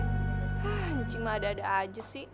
anjing madada aja sih